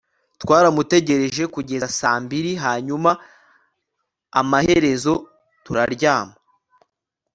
Twaramutegereje kugeza saa mbiri hanyuma amaherezo turaryama